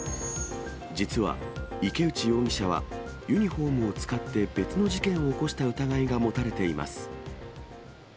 実は、池内容疑者はユニホームを使って別の事件を起こした疑いが持たれています。